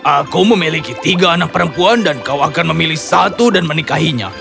aku memiliki tiga anak perempuan dan kau akan memilih satu dan menikahinya